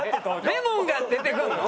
レモンが出てくるの？